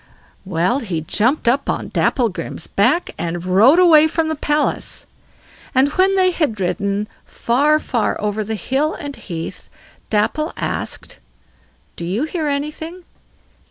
Well, he jumped up on Dapplegrim's back, and rode away from the palace, and when he had ridden far far over hill and heath, Dapple asked: "Do you hear anything?"